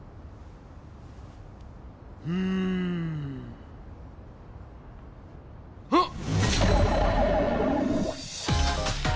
うん。あっ！